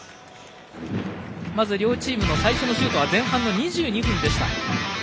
両チームの最初のシュートは前半の２２分でした。